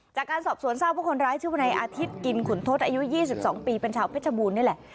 จากการสอบสวนทราบว่าคนร้ายชื่อวนายอาทิตย์กินขุนทศอายุ๒๒ปีเป็นชาวเพชรบูรณนี่แหละ